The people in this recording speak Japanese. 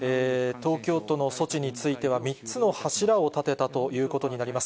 東京都の措置については、３つの柱を立てたということになります。